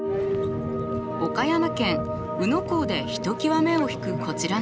岡山県宇野港でひときわ目を引くこちらの作品。